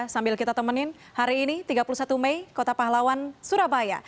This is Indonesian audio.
sambil kita temenin hari ini tiga puluh satu mei kota pahlawan surabaya